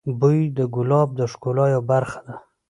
بوی د ګلاب د ښکلا یوه برخه ده.